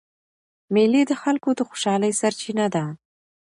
مېلې د خلکو د خوشحالۍ سرچینه ده.